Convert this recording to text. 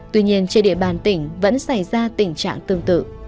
tuy nhiên trên địa bàn tỉnh vẫn xảy ra tình trạng tương tự